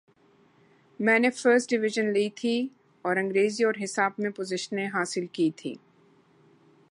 میں نے first division لی تھی اور انگریزی اور حساب میں پوزیشن حاصل کی تھی۔